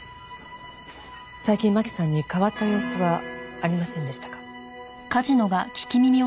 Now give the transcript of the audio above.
最近真輝さんに変わった様子はありませんでしたか？